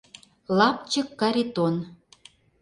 ЛАПЧЫК КАРИТОН